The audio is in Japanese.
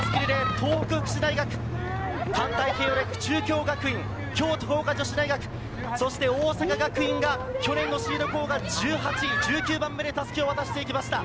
東北福祉大学、環太平洋大学、中京学院、京都光華女子大学、そして大阪学院が去年のシード校が１８、１９番目で襷を渡していきました。